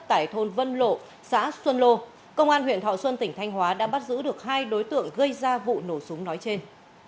tại thôn vân lộ xã xuân lô công an huyện thọ xuân tỉnh thanh hóa đã bắt giữ được hai đối tượng gây ra vụ nổ súng nói trên